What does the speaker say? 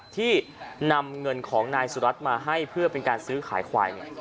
ที่นำเงินของนายสุรัตน์มาให้เพื่อเป็นการซื้อขายควาย